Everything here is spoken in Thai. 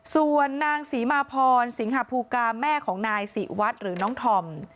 ส่วนนางศรีมาพรสิงหาภูกาแม่ของนายศรีวัดหรือน้องธอม